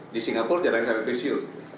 di singapura jarang sampai pensiun